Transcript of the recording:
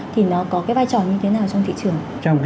thì nó có cái vai trò như thế nào trong thị trường